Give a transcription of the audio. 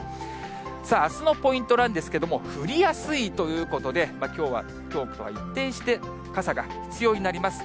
さあ、あすのポイントなんですけども、降りやすいということで、きょうとは一転して、傘が必要になります。